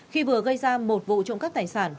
khi vừa gây ra một vụ trộm cắp tài sản